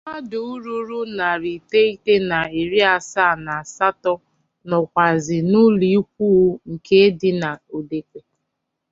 mmadụ ruru narị iteghete na iri asaa na asatọ nọkwazị n'ụlọikwuu nke dị n'Odekpe